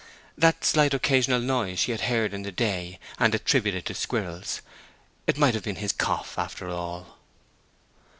That slight occasional noise she had heard in the day, and attributed to squirrels, it might have been his cough after all.